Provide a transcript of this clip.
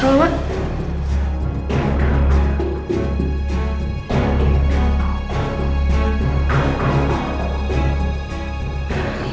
baju lo parah banget sah